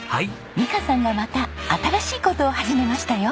美香さんがまた新しい事を始めましたよ。